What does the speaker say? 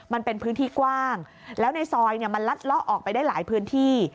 มันเป็นพื้นที่กว้างแล้วในซอยมันลัดเลาะออกไปได้หลายพื้นที่